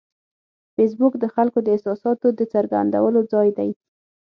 فېسبوک د خلکو د احساساتو د څرګندولو ځای دی